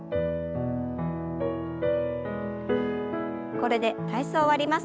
これで体操を終わります。